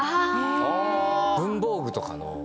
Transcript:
文房具とかの。